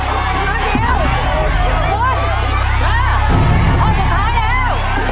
ออกสุดท้ายแล้ว